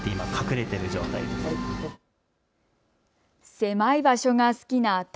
狭い場所が好きなた